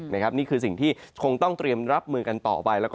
นี่คือสิ่งที่คงต้องเตรียมรับมือกันต่อไป